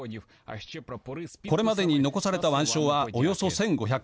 これまでに残された腕章はおよそ１５００。